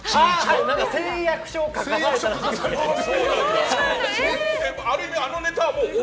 誓約書を書かされたって。